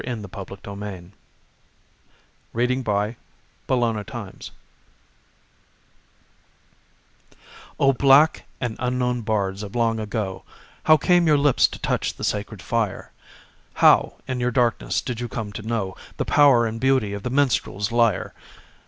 James Weldon Johnson O BLACK AND UNKNOWN BARDS O black and unknown bards of long ago, How came your lips to touch the sacred fire? How, in your darkness, did you come to know The power and beauty of the minstrel's lyre?